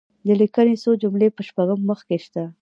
د لیکني څو جملې په شپږم مخ کې شته.